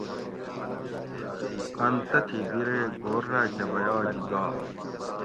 اۤن تتھی بِیرے گھور راۤکہ بھیا گھی گا